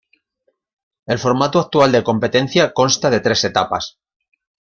El formato actual de competencia consta de tres etapas.